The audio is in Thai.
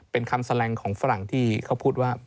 เป็นคำแสลงของฝรั่งที่เขาพูดว่า